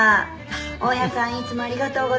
「大家さんいつもありがとうございます」